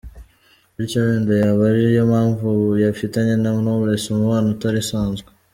Bityo wenda yaba ari yo mpamvu ubu afitanye na Knowless umubano utari usanzwe .